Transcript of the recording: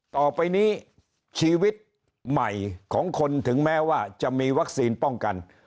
ต่อไปนี้ชีวิตใหม่ของคนถึงแม้ว่าจะมีวัคซีนป้องกัน